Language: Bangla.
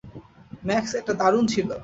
ম্যাক্স, এটা দারুণ ছিল।